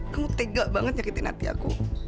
kamu tega banget nyakitin hati aku